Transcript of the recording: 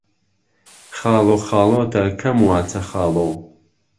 خاڵۆخاڵۆته کهم واچه خاڵۆ